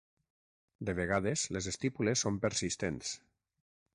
De vegades, les estípules són persistents.